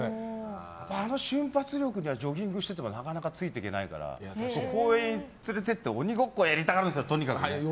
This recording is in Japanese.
あの瞬発力でジョギングしてたらなかなかついていけないから公園に連れて行くと鬼ごっこやりたがるんですよ